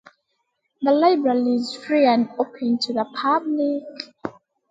The library is free and open to the public.